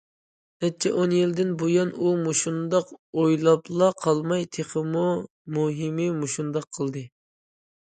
نەچچە ئون يىلدىن بۇيان ئۇ مۇشۇنداق ئويلاپلا قالماي، تېخىمۇ مۇھىمى مۇشۇنداق قىلدى.